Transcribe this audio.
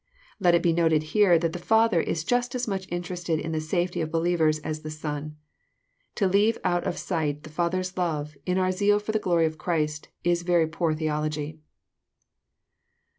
Let it be noted here that the Father is just as much interested In the safety of believers as the Son. To leave out of sight the Father's love, in our zeal for the glory of Christ, is very poor theology.